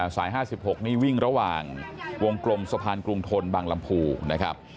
สาย๕๖นี่วิ่งระหว่างวงกลมสะพานกรุงทนบังลำภูรณ์